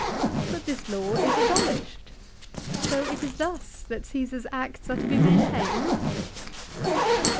But this law is abolished. So it is thus that Caesar's acts are to be maintained